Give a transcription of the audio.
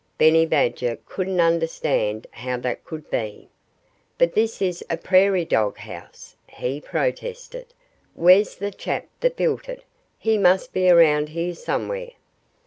Benny Badger couldn't understand how that could be. "But this is a prairie dog house," he protested. ... "Where's the chap that built it? He must be around here somewhere."